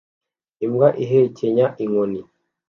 Imbwa ihekenya inkoni